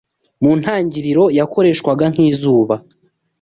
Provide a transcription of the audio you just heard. mu ntangiriro yakoreshwaga nk'izuba